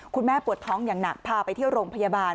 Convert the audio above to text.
ปวดท้องอย่างหนักพาไปที่โรงพยาบาล